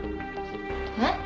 えっ？